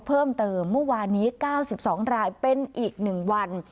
เพิ่มเติมเมื่อวานนี้๙๒รายเป็นอีก๑วัน